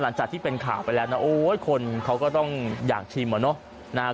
หลังจากที่เป็นข่าวไปแล้วนะโอ้ยคนเขาก็ต้องอยากชิมอะเนาะ